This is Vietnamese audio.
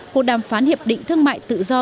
cuộc đàm phán hiệp định thương mại tự do